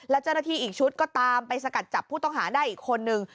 และจริงอีกชุดก็ตามไปสกัดจับผู้ต้องหาได้อีกคนหนึ่ง